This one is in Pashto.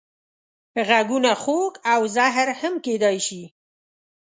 غږونه خوږ او زهر هم کېدای شي